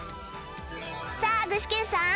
さあ具志堅さん